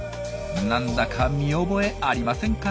なんだか見覚えありませんか？